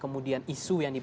kemudian pilihan yang dibawa